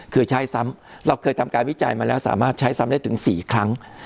เคยใช้ซ้ำเราเคยทำการวิจัยมาแล้วสามารถใช้ซ้ำได้ถึง๔ครั้ง